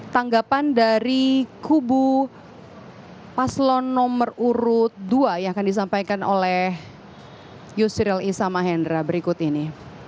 tanggapan dari kubu paslon nomor urut dua yang akan disampaikan oleh yusril isamahendra berikut ini